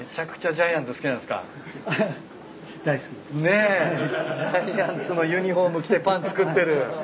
ジャイアンツのユニホーム着てパン作ってる。